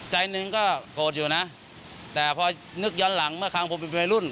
ใจหนึ่งก็โกรธอยู่นะแต่พอนึกย้อนหลังเมื่อครั้งผมเป็นวัยรุ่น